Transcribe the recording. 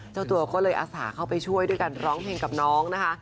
เจ้าตัวก็เลยอาสาเข้าไปช่วยด้วยกันร้องเพลงกับน้องนะคะ